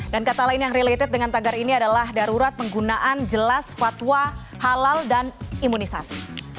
dan kata lain yang related dengan tagar ini adalah darurat penggunaan jelas fatwa halal dan imunisasi